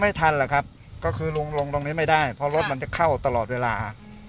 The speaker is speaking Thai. ไม่ทันหรอกครับก็คือลุงลงตรงนี้ไม่ได้เพราะรถมันจะเข้าตลอดเวลา